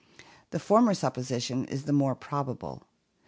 The former supposition is the more probable.